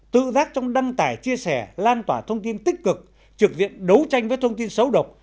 tự giác trong đăng tải chia sẻ lan tỏa thông tin tích cực trực diện đấu tranh với thông tin xấu độc